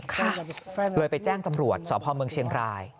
ก็เลยไปแจ้งตำรวจสพเมืองเชียงราย